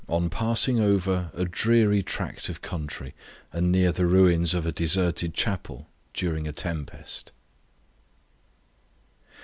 On passing over a dreary tract of country, and near the ruins of a deserted chapel, during a tempest.